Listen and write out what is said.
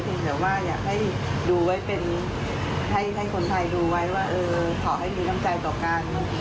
แบบว่าอยากให้ดูไว้เป็นให้คนไทยดูไว้ว่าเออขอให้มีน้ำใจต่อกัน